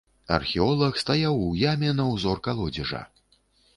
Археолаг стаяў у яме на ўзор калодзежа.